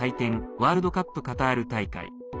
ワールドカップカタール大会。